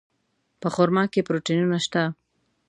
په خرما کې پروټینونه شته.